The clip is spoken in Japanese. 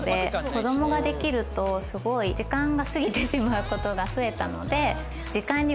子どもができるとすごい時間が過ぎてしまうことが増えたので。